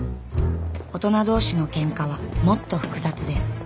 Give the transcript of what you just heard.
大人同士のケンカはもっと複雑です